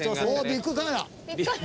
ビックカメラ。